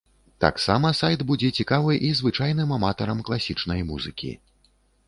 Таксама сайт будзе цікавы і звычайным аматарам класічнай музыкі.